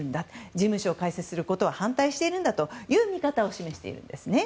事務所を開設することを反対しているんだという見方を示しているんですね。